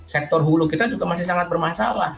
sektor hulu kita juga masih sangat bermasalah